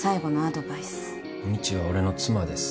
みちは俺の妻です。